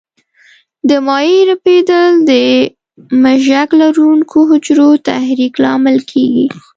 د مایع رپېدل د مژک لرونکو حجرو تحریک لامل کېږي.